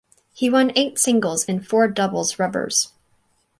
He won eight singles and four doubles rubbers.